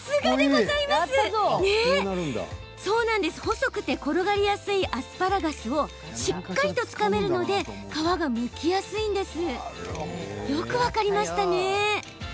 細くて転がりやすいアスパラガスをしっかりとつかめるので皮がむきやすいんです。